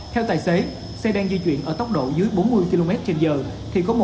theo tài xế xe đang di chuyển ở tốc độ dưới bốn mươi km trên giờ